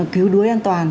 cứu đuối an toàn